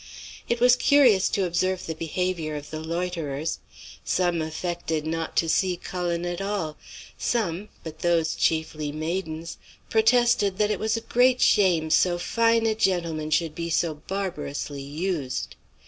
"It was curious to observe the behaviour of the loiterers. Some affected not to see Cullen at all; some, but those chiefly maidens, protested that it was a great shame so fine a gentleman should be so barbarously used.